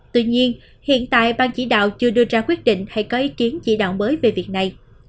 tuy nhiên hiện tại ban chỉ đạo chưa đưa ra quyết định hay có ý kiến chỉ đạo mới về việc này